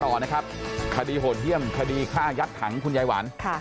ต่อนะครับคดีโหดเยี่ยมคดีฆ่ายัดถังคุณยายหวาน